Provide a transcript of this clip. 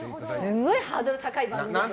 すごいハードル高い番組ですね。